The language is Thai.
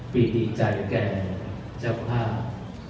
ปริฐีใจแก่จักรภาพ